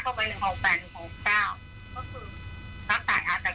โทรไปทางสิทธิ์ที่เขารักษาแล้วก็บอกให้รอไม่มีเจียง